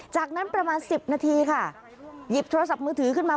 จากนั้นประมาณ๑๐นาทีค่ะหยิบโทรศัพท์มือถือขึ้นมา